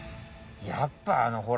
やっぱあのほら。